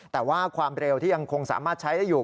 แต่ว่าความเร็วที่ยังคงสามารถใช้ได้อยู่